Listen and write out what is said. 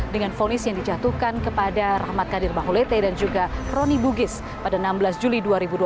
dengan fonis yang dijatuhkan kepada rahmat kadir bahulete dan juga roni bugis pada enam belas juli dua ribu dua puluh